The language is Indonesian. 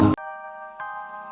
pak wali kota